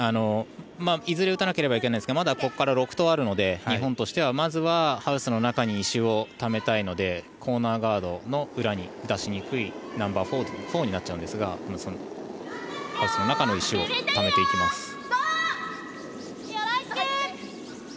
いずれ打たなければいけないですがまだここから６投あるので日本としては、ハウスの中に石をためたいのでコーナーガードの裏に出しにくいナンバーフォーになっちゃうんですがハウスの中の石をためていきます。